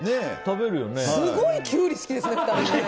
すごいキュウリ好きですね２人。